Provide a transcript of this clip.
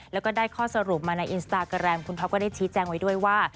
แล้วก็ได้ข้อสรุปมาในอินสตาแกรมคุณท็อปก็ได้ชี้แจงไว้ด้วยว่า